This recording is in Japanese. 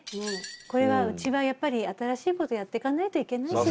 これはうちはやっぱり新しいことやってかないといけないし。